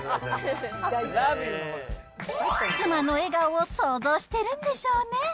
妻の笑顔を想像してるんでしょうね。